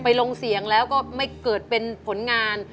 ลงเสียงแล้วก็ไม่เกิดเป็นผลงาน